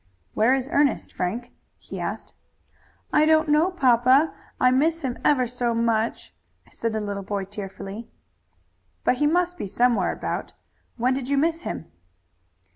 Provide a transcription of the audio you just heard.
"Where is Ernest, Frank?" he asked. "I don't know, papa. I miss him ever so much," said the little boy tearfully. "But he must be somewhere about. When did you miss him?"